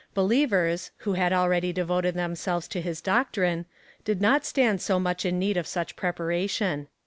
Believers, who had already devoted themselves to his doctrine, did not stand so much in need of such preparation.